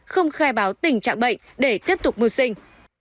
không khai báo tình trạng bệnh để tiếp tục mưu sinh